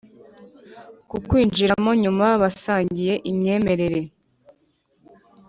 Kuwinjiramo nyuma basangiye imyemerere